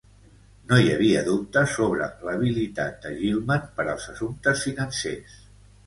No hi havia dubte sobre l'habilitat de Gilman per als assumptes financers.